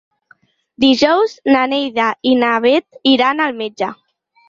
Dijous na Neida i na Bet iran al metge.